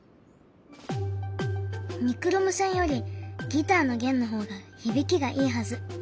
ニクロム線よりギターの弦の方が響きがいいはず。